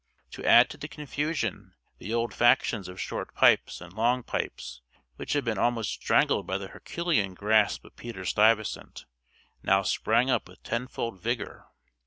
To add to the confusion, the old factions of Short Pipes and Long Pipes, which had been almost strangled by the Herculean grasp of Peter Stuyvesant, now sprang up with tenfold vigor.